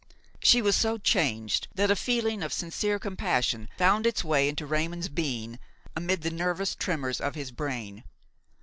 She was so changed that a feeling of sincere compassion found its way into Raymon's being, amid the nervous tremors of his brain.